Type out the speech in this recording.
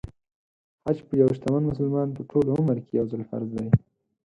حج په یو شتمن مسلمان په ټول عمر کې يو ځل فرض دی .